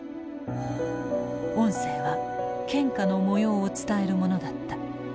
音声は献花の模様を伝えるものだった。